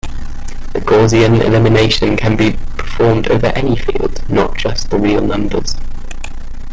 The Gaussian elimination can be performed over any field, not just the real numbers.